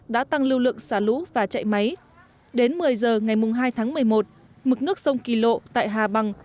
đã tăng lưu lượng xả lũ và chạy máy đến một mươi giờ ngày hai tháng một mươi một mực nước sông kỳ lộ tại hà bằng